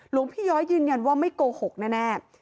หลวงพี่ย้อยยืนยันว่าไม่โกหกแน่